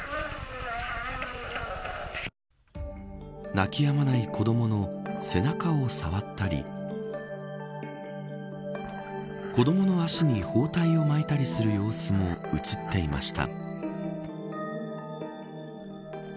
泣きやまない子どもの背中を触ったり子どもの足に包帯を巻いたりする様子も映っていました。